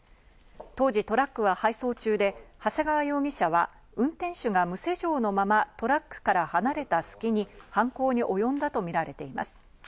当時、トラックは配送中で長谷川容疑者は運転手が無施錠のままトラックから離れた隙に犯行におよんだとみられています。